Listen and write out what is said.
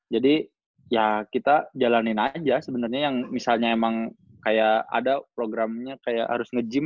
jadi ya kita jalanin aja sebenernya yang misalnya emang kayak ada programnya kayak harus nge gym